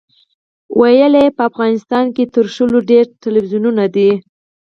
ویل یې په افغانستان کې تر شلو ډېر تلویزیونونه دي.